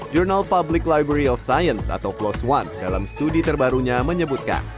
jurnal public library of science atau closed one dalam studi terbarunya menyebutkan